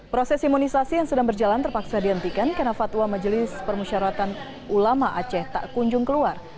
proses imunisasi yang sedang berjalan terpaksa dihentikan karena fatwa majelis permusyaratan ulama aceh tak kunjung keluar